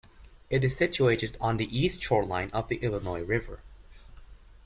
It is situated on the east shoreline of the Illinois River.